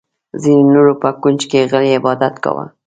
ځینې نورو په کونج کې غلی عبادت کاوه.